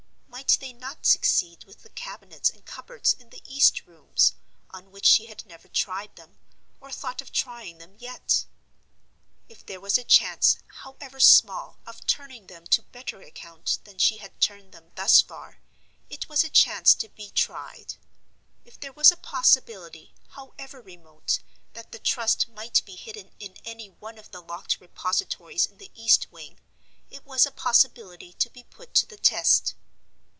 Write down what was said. Might they not succeed with the cabinets and cupboards in the east rooms, on which she had never tried them, or thought of trying them, yet? If there was a chance, however small, of turning them to better account than she had turned them thus far, it was a chance to be tried. If there was a possibility, however remote, that the Trust might be hidden in any one of the locked repositories in the east wing, it was a possibility to be put to the test.